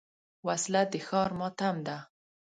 وسله د ښار ماتم ده